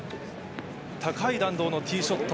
高い弾道のティーショット。